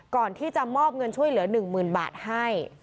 ก่อนที่จะมอบเงินช่วยเหลือหนึ่งหมื่นบาทให้